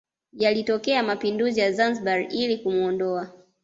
Yalitokea mapinduzi ya Zanzibar ili kumuondoa